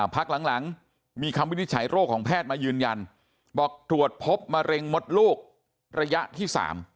พักหลังมีคำวินิจฉัยโรคของแพทย์มายืนยันบอกตรวจพบมะเร็งมดลูกระยะที่๓